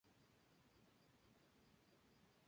Falleció en Line Lexington, Pensilvania a causa del Alzheimer